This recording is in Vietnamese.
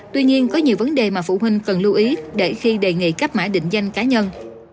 tuy nhiên có nhiều vấn đề mà phụ huynh cần lưu ý để khi đề nghị cấp mã định danh cá nhân